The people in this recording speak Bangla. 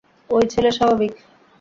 ওই ছেলে স্বাভাবিক।